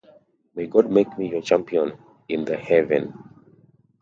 May God make me your companion in the Heaven.